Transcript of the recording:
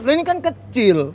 lainnya kan kecil